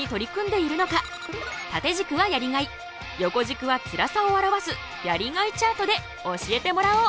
縦軸はやりがい横軸はつらさを表すやりがいチャートで教えてもらおう。